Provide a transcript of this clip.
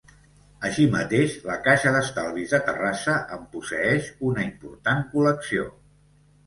Així mateix, la Caixa d'Estalvis de Terrassa en posseeix una important col·lecció.